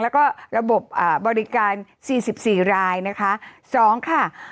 แล้วก็ระบบบริการ๔๔รายนะคะ๒ค่ะ